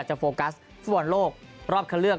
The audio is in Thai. จะโฟกัสส่วนโลกรอบคระเลือก